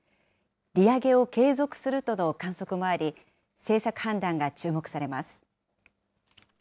利上げを継続するとの観測もあり、政策判断が注目されます。